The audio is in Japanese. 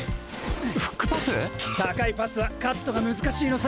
フックパス⁉高いパスはカットが難しいのさ！